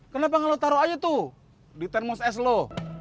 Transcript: kenapa kalau taruh aja tuh di termos es lo